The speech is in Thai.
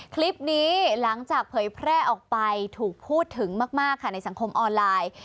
คลิปนี้หลังจากเผยแพร่ออกไปถูกพูดถึงมากค่ะในสังคมออนไลน์